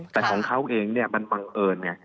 แต่ของเขาเองเนี่ยมันบังเอิญไง